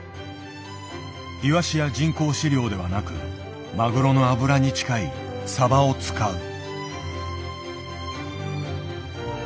イワシや人工飼料ではなくマグロの脂に近いサバを使う。